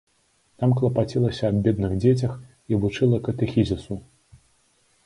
Там клапацілася аб бедных дзецях і вучыла катэхізісу.